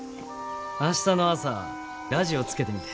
明日の朝ラジオつけてみて。